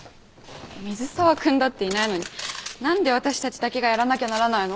水沢君だっていないのに何で私たちだけがやらなきゃならないの？